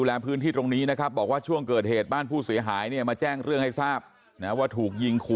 ไม่มีอะไรอย่าพูดเรื่องนี้